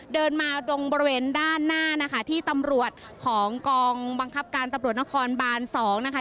เดินมาตรงบริเวณด้านหน้านะคะที่ตำรวจของกองบังคับการตำรวจนครบานสองนะคะ